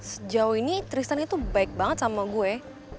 sejauh ini tristan itu baik banget sama gue